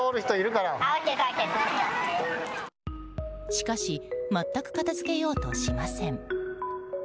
しかし全く片付けようとしません。